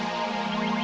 sampai jumpa lagi